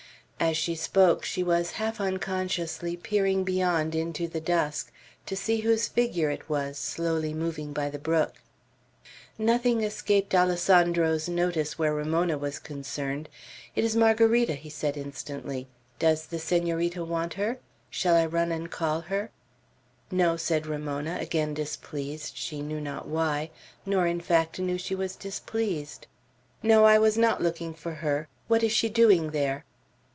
As she spoke, she was half unconsciously peering beyond into the dusk, to see whose figure it was, slowly moving by the brook. Nothing escaped Alessandro's notice where Ramona was concerned. "It is Margarita," he said instantly. "Does the Senorita want her? Shall I run and call her?" "No," said Ramona, again displeased, she knew not why, nor in fact knew she was displeased; "no, I was not looking for her. What is she doing there?"